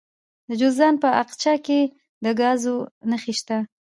د جوزجان په اقچه کې د ګازو نښې شته.